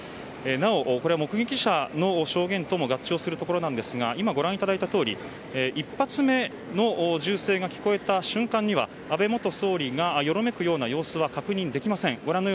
なおこれは目撃者の証言とも合致するところですが今、ご覧いただいたとおり１発目の銃声が聞こえた瞬間には安倍元総理がよろめくような様子は確認できません。